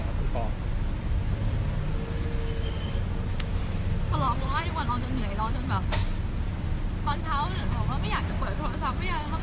ตอนเช้าหนึ่งเขาบอกว่าไม่อยากจะเปิดโทรศัพท์ไม่อยากกำไรยัง